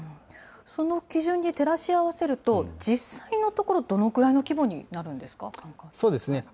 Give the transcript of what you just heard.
その基準に照らし合わせると、実際のところ、どのくらいの規模になるんですか。